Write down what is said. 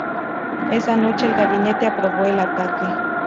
Esa noche, el gabinete aprobó el ataque.